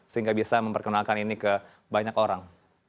sehingga bisa memperkenalkan ini ke banyak orang